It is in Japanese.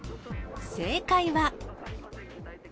正解は。